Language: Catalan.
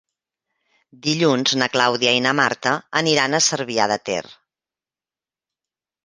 Dilluns na Clàudia i na Marta aniran a Cervià de Ter.